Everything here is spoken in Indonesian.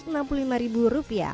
jadi ini model yang lebih terkenal